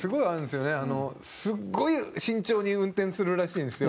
すごい慎重に運転するらしいんですよ。